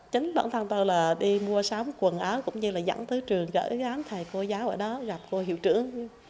chính bản thân tôi là đi mua sắm quần áo cũng như là dẫn tới trường gỡ gám thầy cô giáo ở đó gặp cô hiệu trưởng